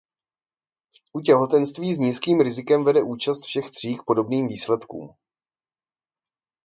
U těhotenství s nízkým rizikem vede účast všech tří k podobným výsledkům.